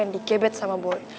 yang dikebet sama boy